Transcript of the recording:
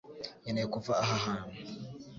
Nkeneye kuva aha hantu